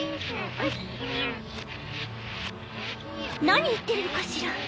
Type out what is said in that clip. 何言ってるのかしら？